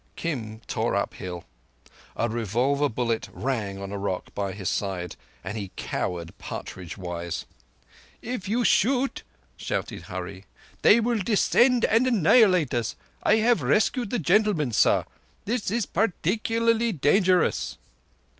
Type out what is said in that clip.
Kim tore uphill. A revolver bullet rang on a rock by his side, and he cowered partridge wise. "If you shoot," shouted Hurree, "they will descend and annihilate us. I have rescued the gentleman, sar. This is par_tic_ularly dangerous."